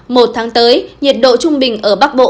một tháng tới nhiệt độ trung bình ở bắc bộ